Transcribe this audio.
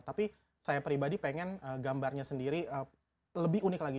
tapi saya pribadi pengen gambarnya sendiri lebih unik lagi